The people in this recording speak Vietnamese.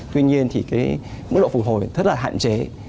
tuy nhiên mức độ phục hồi rất là hạn chế